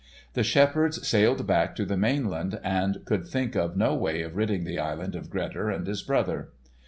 The shepherds sailed back to the mainland, and could think of no way of ridding the island of Grettir and his brother.